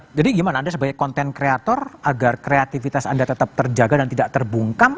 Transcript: bu ngakbar jadi bagaimana anda sebagai content creator agar kreativitas anda tetap terjaga dan tidak terbungkam